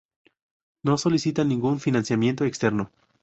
No solicita ningún financiamiento externo.